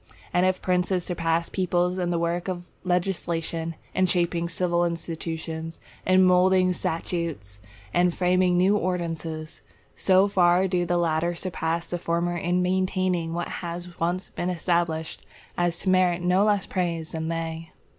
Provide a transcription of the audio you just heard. And if princes surpass peoples in the work of legislation, in shaping civil institutions, in moulding statutes, and framing new ordinances, so far do the latter surpass the former in maintaining what has once been established, as to merit no less praise than they.